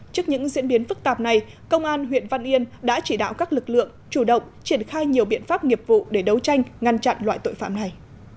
trước những diễn biến phức tạp này công an huyện văn yên đã chỉ đạo các lực lượng chủ động triển khai nhiều biện pháp nghiệp vụ để đấu tranh ngăn chặn loại tội phạm này